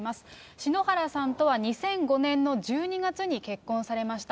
篠原さんとは２００５年の１２月に結婚されました。